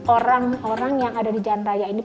orang orang yang ada di jalan raya ini